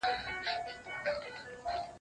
څوک پاچا وي، څوک مُلا وي، څوک کلال دی